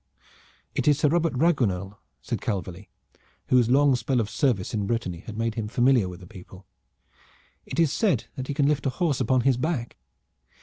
"It is Sir Robert Raguenel," said Calverly, whose long spell of service in Brittany had made him familiar with the people. "It is said that he can lift a horse upon his back.